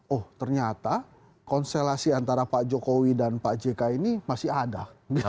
oh ternyata konstelasi antara pak jokowi dan pak jk ini masih ada